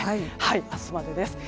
明日までです。